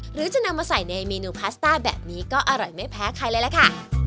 หรือจะนำมาใส่ในเมนูพาสต้าแบบนี้ก็อร่อยไม่แพ้ใครเลยล่ะค่ะ